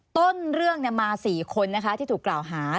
ต้นเรื่องมา๔คนนะคะที่ถูกกล่าวหา